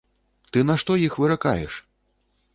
Ты на што іх выракаеш?